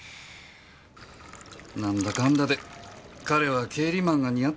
なんだかんだで彼は経理マンが似合ってますよ。